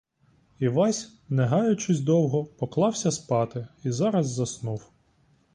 Івась не гаючись довго, поклався спати і зараз заснув.